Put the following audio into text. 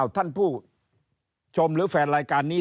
ท่านผู้ชมหรือแฟนรายการนี้